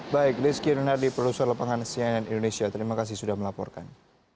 baik rizky nenadi produser lepangan sianian indonesia terima kasih sudah melaporkan